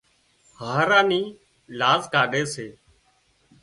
هاهرا نِي لاز ڪاڍي سي